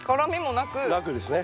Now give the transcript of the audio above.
なくですね。